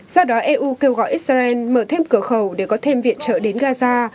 do đó eu kêu gọi israel mở thêm cửa khẩu để có thêm viện trợ đến gaza